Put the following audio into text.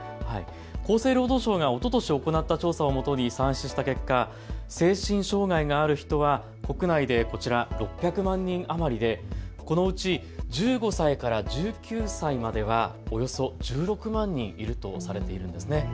厚生労働省がおととし行った調査をもとに算出した結果、精神障害がある人は国内でこちら、６００万人余りでこのうち１５歳から１９歳まではおよそ１６万人いるとされているんですね。